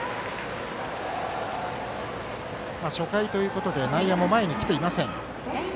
初回ということで内野も前に来ていません。